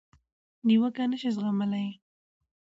نیوکه نشي زغملای.